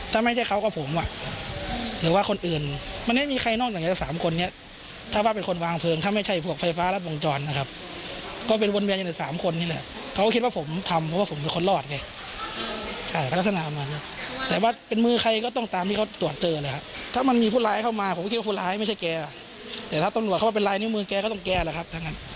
แต่ถ้าตำรวจเขาเป็นลายนิ้วมือแก่เขาต้องแก่แหละครับทั้งนั้น